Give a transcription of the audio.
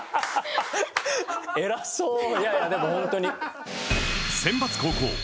偉そういやいやでも本当に。